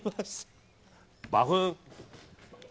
バフン。